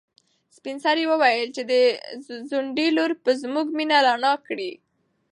سپین سرې وویل چې د ځونډي لور به زموږ مېنه رڼا کړي.